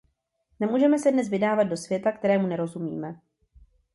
Nemůžeme se dnes vydávat do světa, kterému nerozumíme.